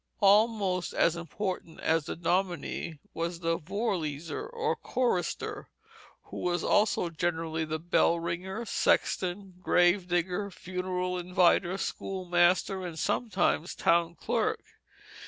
Almost as important as the domine was the voorleezer or chorister, who was also generally the bell ringer, sexton, grave digger, funeral inviter, schoolmaster, and sometimes town clerk.